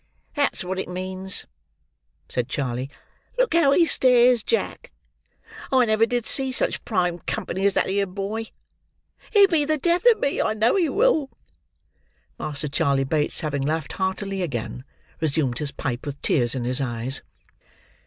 "That's what it means," said Charley. "Look how he stares, Jack! I never did see such prime company as that 'ere boy; he'll be the death of me, I know he will." Master Charley Bates, having laughed heartily again, resumed his pipe with tears in his eyes.